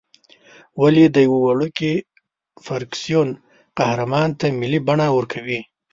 ولې د یوه وړوکي فرکسیون قهرمان ته ملي بڼه ورکوې.